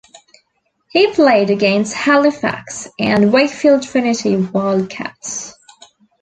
He played against Halifax and Wakefield Trinity Wildcats.